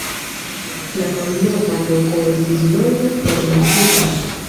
La malnova loko estis longe forlasita.